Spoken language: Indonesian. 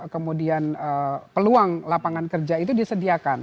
kemudian peluang lapangan kerja itu disediakan